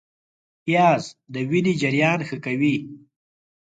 پیاز د وینې جریان ښه کوي